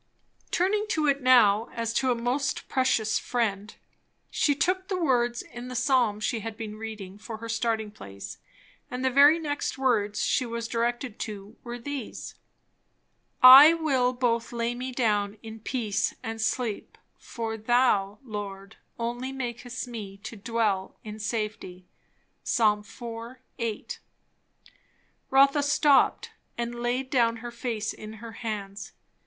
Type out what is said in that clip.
Turning to it now as to a most precious friend, she took the words in the psalm she had been reading for her starting place. And the very first next words she was directed to were these: "I will both lay me down in peace, and sleep; for thou, Lord, only makest me to dwell in safety." Ps. iv. 8. Rotha stopped and laid down her face in her hands.